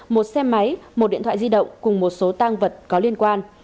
một xe máy một điện thoại di động cùng một số tăng vật có liên quan